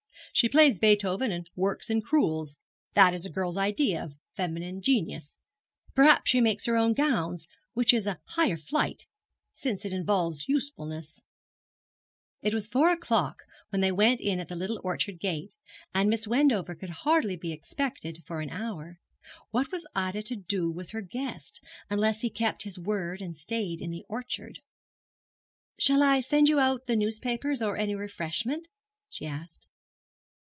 'She plays Beethoven and works in crewels. That is a girl's idea of feminine genius. Perhaps she makes her own gowns, which is a higher flight, since it involves usefulness.' It was only four o'clock when they went in at the little orchard gate, and Miss Wendover could hardly be expected for an hour. What was Ida to do with her guest, unless he kept his word and stayed in the orchard? 'Shall I send you out the newspapers, or any refreshment?' she asked.